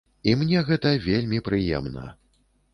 І мне гэта вельмі прыемна.